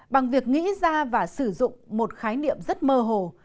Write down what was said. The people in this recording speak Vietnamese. bằng việc nghĩ ra và sử dụng một khái niệm rất mơ hồ